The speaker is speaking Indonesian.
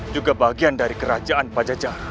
juga bagian dari kerajaan pajajah